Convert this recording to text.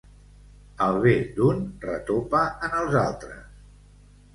El bé d'un retopa en els altres.